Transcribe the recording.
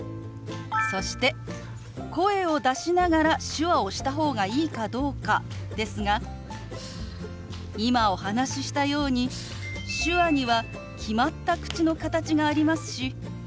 そして声を出しながら手話をした方がいいかどうかですが今お話ししたように手話には決まった口の形がありますし